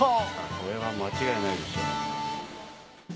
これは間違いないでしょう。